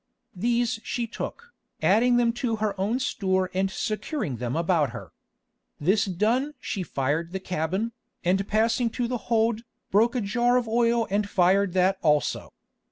These she took, adding them to her own store and securing them about her. This done she fired the cabin, and passing to the hold, broke a jar of oil and fired that also.